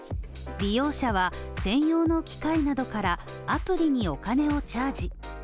利用者は専用の機械などからアプリにお金をチャージ。